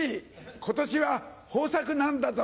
今年は豊作なんだぞ！